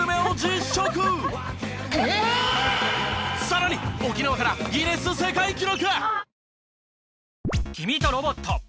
さらに沖縄からギネス世界記録！